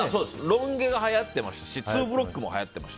ロン毛がはやってましてツーブロックもはやっていました。